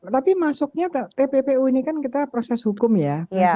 tapi masuknya tppu ini kan kita proses hukum ya